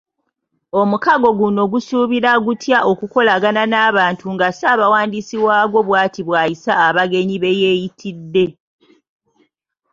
Omukago guno gusuubira gutya okukolagana n'abantu nga Ssabawandiisi waagwo bwati bwayisa abagenyi beyeeyitidde.